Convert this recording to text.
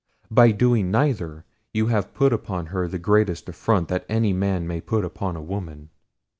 By doing neither you have put upon her the greatest affront that a man may put upon a woman.